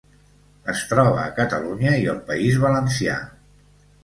Es troba a Catalunya i el País Valencià.